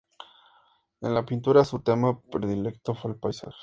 En la pintura su tema predilecto fue el paisaje.